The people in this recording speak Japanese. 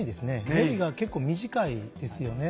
練りが結構短いですよね。